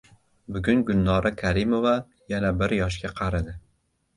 Bugun Gulnora Karimova yana bir yoshga qaridi